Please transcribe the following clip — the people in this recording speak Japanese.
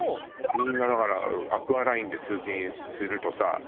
みんなだからアクアラインで通勤するとさ楽なのよ。